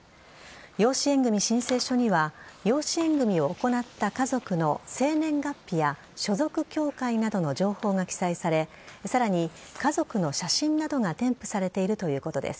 養子縁組申請書には養子縁組を行った家族の生年月日や所属教会などの情報が記載されさらに家族の写真などが添付されているということです。